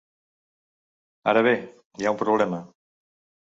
Ara bé, hi ha un problema.